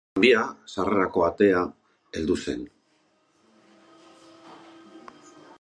Tranbia sarrerako atea heldu zen.